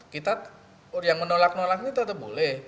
kita yang menolak nolaknya tetap boleh